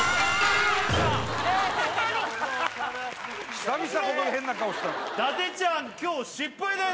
久々ここで変な顔したの伊達ちゃん今日失敗です！